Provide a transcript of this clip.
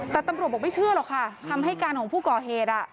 แต่ตำรวจบอกไม่เชื่อหรอกค่ะคำให้การของผู้ก่อเหตุ